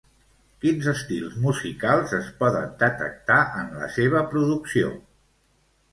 Quins estils musicals es poden detectar en la seva producció?